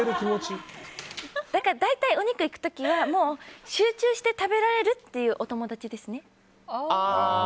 大体、お肉行く時は集中して食べられるっていうお友達ですね。